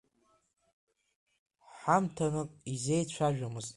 Ҳамҭанык изеицәажәомызт.